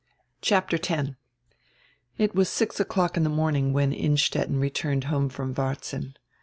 CHAPTER X IT was six o'clock in the morning when Instetten re turned home from Varzin.